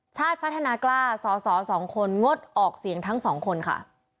ชาติพัฒนากล้าสอสอ๒คนงดออกเสียงทั้งสองคนค่ะ